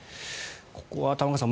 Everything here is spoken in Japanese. ここは玉川さん